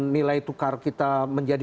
nilai tukar kita menjadi